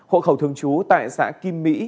hộ khẩu thường trú tại xã kim mỹ